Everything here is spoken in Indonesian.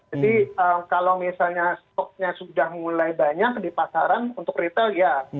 kalau misalnya stoknya sudah mulai banyak di pasaran untuk retail ya